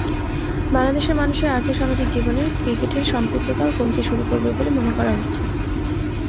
বাংলাদেশের মানুষের আর্থসামাজিক জীবনে ক্রিকেটের সম্পৃক্ততাও কমতে শুরু করবে বলে মনে করা হচ্ছে।